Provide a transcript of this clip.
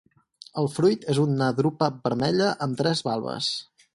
El fruit és una drupa vermella amb tres valves.